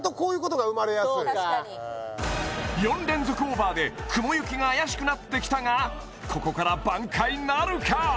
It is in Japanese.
そうか確かに４連続オーバーで雲行きが怪しくなってきたがここから挽回なるか？